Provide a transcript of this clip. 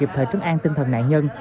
kịp thời trấn an tinh thần nạn nhân